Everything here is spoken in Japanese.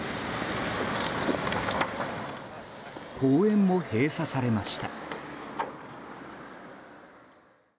公園も閉鎖されました。